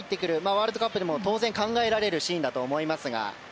ワールドカップでも当然考えられるシーンだと思いますが。